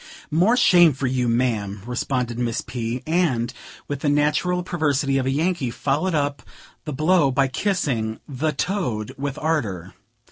"More shame for you, ma'am," responded Miss P.; and, with the natural perversity of a Yankee, followed up the blow by kissing "the toad," with ardor.